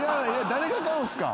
誰が買うんすか。